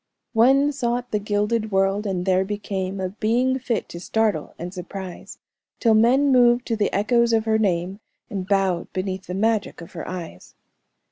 "'One sought the gilded world, and there became A being fit to startle and surprise, Till men moved to the echoes of her name, And bowed beneath the magic of her eyes.'"